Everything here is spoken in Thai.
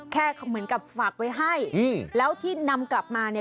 แค่เหมือนกับฝากไว้ให้แล้วที่นำกลับมาเนี่ย